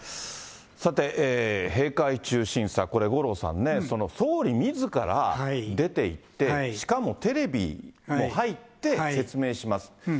さて、閉会中審査、これ五郎さんね、総理みずから出ていって、しかもテレビも入って説明します。